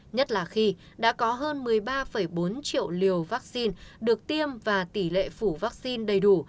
nhất là khi đã có hơn một mươi ba bốn triệu liều vaccine được tiêm và tỷ lệ phủ vaccine đầy đủ